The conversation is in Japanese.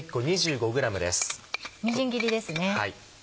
みじん切りですね。